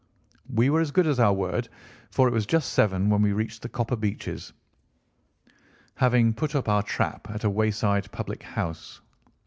We were as good as our word, for it was just seven when we reached the Copper Beeches, having put up our trap at a wayside public house.